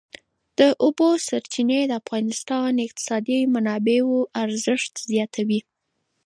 د اوبو سرچینې د افغانستان د اقتصادي منابعو ارزښت زیاتوي.